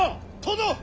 殿！